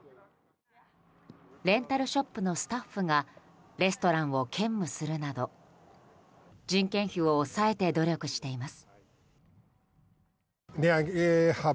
レンタルショップのスタッフがレストランを兼務するなど人件費を抑えて努力しています。